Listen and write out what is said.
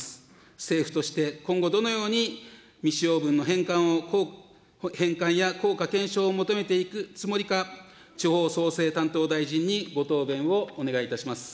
政府として、今後どのように未使用分の返還や効果検証を求めていくつもりか、地方創生担当大臣にご答弁をお願いいたします。